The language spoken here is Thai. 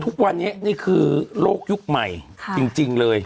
ทุกวันนี้นี่คือโลกยุคใหม่จริงเลย